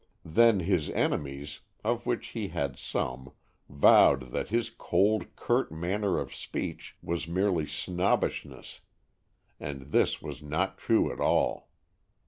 Then his enemies, of whom he had some, vowed that his cold, curt manner of speech was merely snobbishness, and this was not true at all.